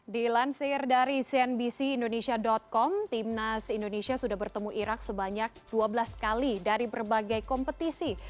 dilansir dari cnbc indonesia com timnas indonesia sudah bertemu irak sebanyak dua belas kali dari berbagai kompetisi